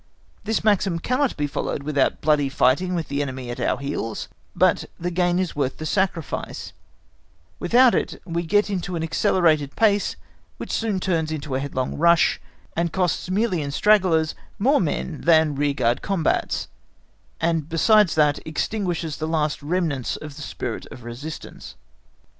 This maxim cannot be followed without bloody fighting with the enemy at our heels, but the gain is worth the sacrifice; without it we get into an accelerated pace which soon turns into a headlong rush, and costs merely in stragglers more men than rear guard combats, and besides that extinguishes the last remnants of the spirit of resistance.